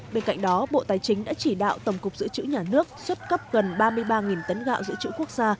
bên cạnh đó bộ tài chính đã chỉ đạo tổng cục giữ chữ nhà nước xuất cấp gần ba mươi ba tấn gạo giữ chữ quốc gia